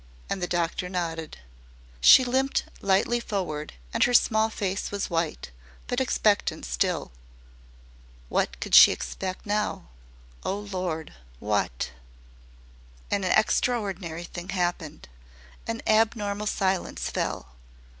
and the doctor nodded. She limped lightly forward and her small face was white, but expectant still. What could she expect now O Lord, what? An extraordinary thing happened. An abnormal silence fell.